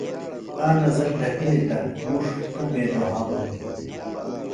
اک نظر ڈھکِلی تہ مُݜ توۡ بے دُھوا بِھلو۔ۡ